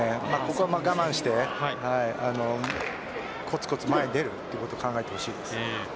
ここは我慢してコツコツ前に出るということを考えてほしいです。